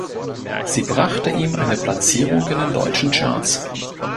Sie brachte ihm eine Platzierung in den deutschen Charts.